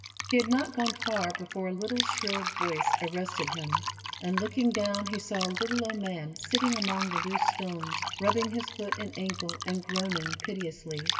He had not gone far, before a little shrill voice arrested him, and looking down, he saw a little old man, sitting among the loose stones, rubbing his foot and ankle, and groaning piteously.